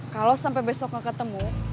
kalau sampai besok ketemu